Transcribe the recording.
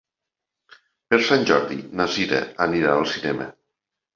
Per Sant Jordi na Sira anirà al cinema.